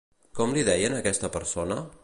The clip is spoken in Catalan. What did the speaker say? Com li deien a aquesta persona?